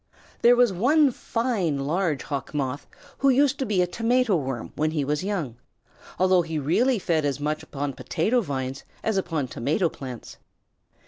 There was one fine large Hawk Moth who used to be a Tomato Worm when he was young, although he really fed as much upon potato vines as upon tomato plants.